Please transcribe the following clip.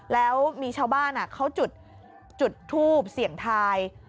แล้วมีชาวบ้านเขาจุดทูบเสี่ยงทาย